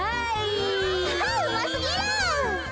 うますぎる。